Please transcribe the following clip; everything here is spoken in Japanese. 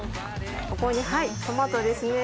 ここにトマトですね。